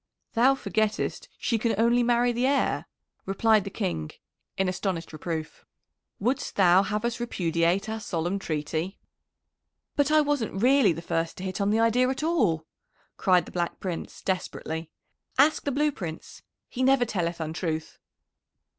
"Thou forgettest she can only marry the heir," replied the King in astonished reproof. "Wouldst thou have us repudiate our solemn treaty?" "But I wasn't really the first to hit on the idea at all!" cried the Black Prince desperately. "Ask the Blue Prince! he never telleth untruth."